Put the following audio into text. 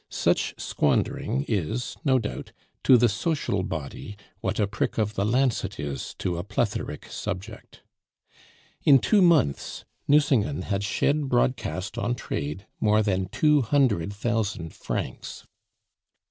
Such squandering is, no doubt, to the social body what a prick of the lancet is to a plethoric subject. In two months Nucingen had shed broadcast on trade more than two hundred thousand francs.